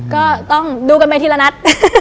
ก็ต้องดูกันไปทีละนัด